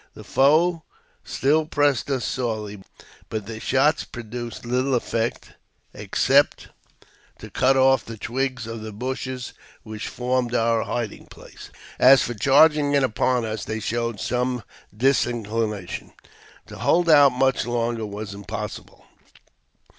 The foe still pressed us sorely, but their shots produced Uttle effect except to cut off the twigs of the bushes which formed our hiding JAMES P. BECKWOUBTH. 103 place ; as for charging in upon us, they showed some disin clination. To hold out much longer was impossible.